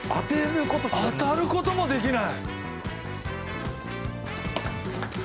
当たることもできない。